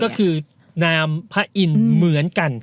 ก็คือนามพระอินทร์เหมือนกัน